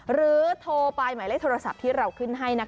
หรือโทรไปหมายเลขโทรศัพท์ที่เราขึ้นให้